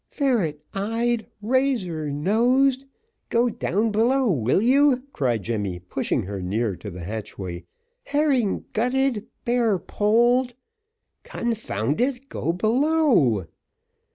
"Ferret eyed, razor nosed " "Go down below, will you?" cried Jemmy, pushing her near to the hatchway. "Herring gutted, bare poled " "Confound it! go below."